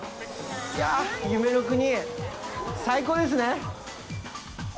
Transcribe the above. いやぁ、夢の国、最高ですね！